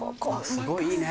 すごいいいね。